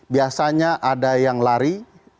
biasanya ada yang lari